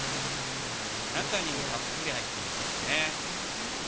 中にもたっぷり入ってますしね。